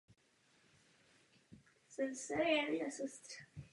To není ospravedlnění ani vysvětlení takové cenzury.